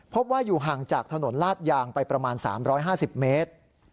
พบว่าอยู่ห่างจากถนนลาดยางไปประมาณ๓๕๐เมตร